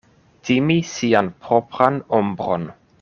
Timi sian propran ombron.